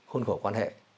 hôn khổ quan hệ